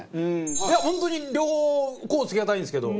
いや本当に両方甲乙つけがたいんですけど。